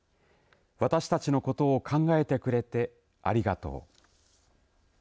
私たちのことを考えてくれてありがとう。